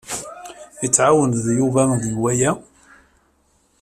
I tɛawneḍ Yuba deg waya?